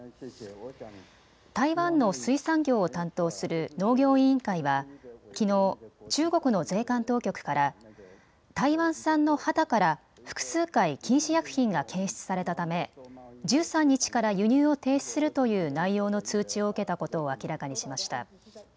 台湾の水産業を担当する農業委員会は、きのう中国の税関当局から台湾産のハタから複数回、禁止薬品が検出されたため１３日から輸入を停止するという内容の通知を受けたことを明らかにしました。